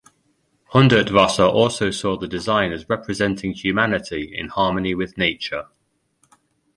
Hundertwasser also saw the design as representing humanity in harmony with nature.